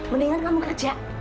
mendingan kamu kerja